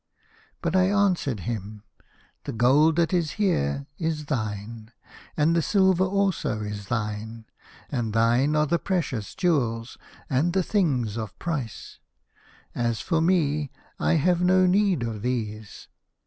" But I answered him, ' The gold that is here is thine, and the silver also is thine, and thine are the precious jewels and the things of price. As for me, I have no need of these.